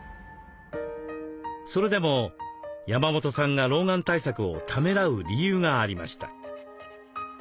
それでも山本さんが老眼対策をためらう理由がありました。